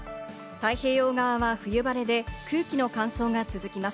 太平洋側は冬晴れで空気の乾燥が続きます。